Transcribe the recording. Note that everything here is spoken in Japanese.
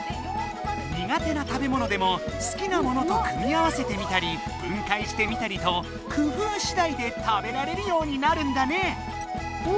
苦手な食べものでもすきなものと組み合わせてみたり分解してみたりと工夫しだいで食べられるようになるんだね！